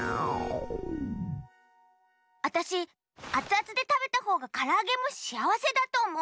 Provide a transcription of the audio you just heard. あたしあつあつでたべたほうがからあげもしあわせだとおもう。